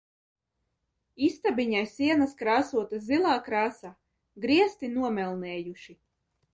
Istabiņai sienas krāsotas zilā krāsā, griesti nomelnējuši.